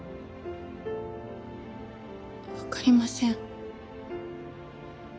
分かりません。